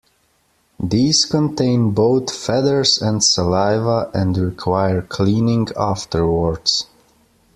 These contain both feathers and saliva and require cleaning afterwards.